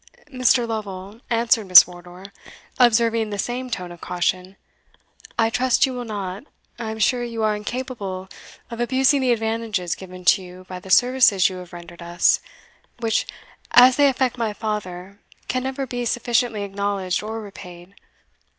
"Mr. Lovel," answered Miss Wardour, observing the same tone of caution, "I trust you will not I am sure you are incapable of abusing the advantages given to you by the services you have rendered us, which, as they affect my father, can never be sufficiently acknowledged or repaid.